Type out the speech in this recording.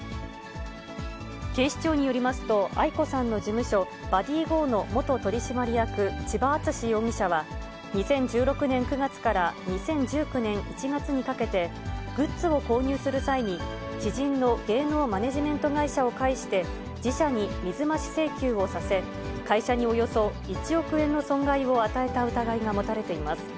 警視庁によりますと、ａｉｋｏさんの事務所、バディ・ゴーの元取締役、千葉篤史容疑者は、２０１６年９月から２０１９年１月にかけて、グッズを購入する際に、知人の芸能マネジメント会社を介して、自社に水増し請求をさせ、会社におよそ１億円の損害を与えた疑いが持たれています。